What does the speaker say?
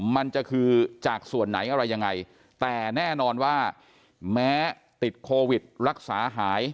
มันจะคือจากส่วนไหนอะไรยังไงแต่แน่นอนว่าแม้ติดโควิดรักษาหาย